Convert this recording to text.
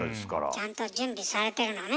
ちゃんと準備されてるのね。